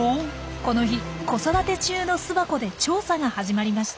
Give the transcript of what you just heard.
この日子育て中の巣箱で調査が始まりました。